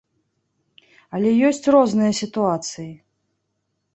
Але ёсць розныя сітуацыі.